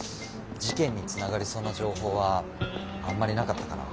事件につながりそうな情報はあんまりなかったかな。